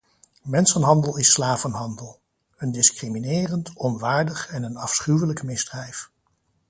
Mensenhandel is slavenhandel – een discriminerend, onwaardig en een afschuwelijk misdrijf.